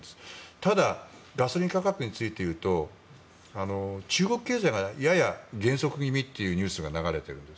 ただガソリン価格について言うと中国経済がやや減速気味というニュースが流れてるんです。